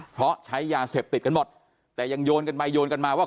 เพราะใช้ยาเสพติดกันหมดแต่ยังโยนกันไปโยนกันมาว่า